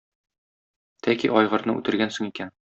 Тәки айгырны үтергәнсең икән.